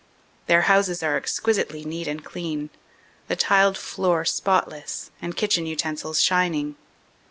Their houses are exquisitely neat and clean, the tiled floor spotless and kitchen utensils shining.